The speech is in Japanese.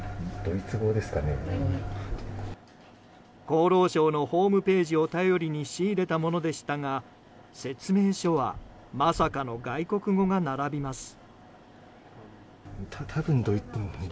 厚労省のホームページを頼りに仕入れたものでしたが説明書はまさかの外国語が並びます。